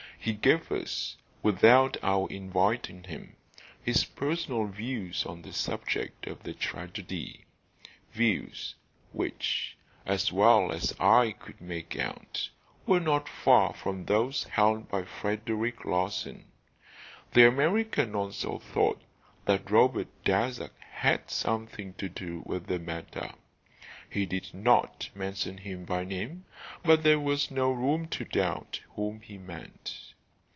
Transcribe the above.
He gave us, without our inviting him, his personal views on the subject of the tragedy, views which, as well as I could make out, were not far from those held by Frederic Larzan. The American also thought that Robert Darzac had something to do with the matter. He did not mention him by name, but there was no room to doubt whom he meant.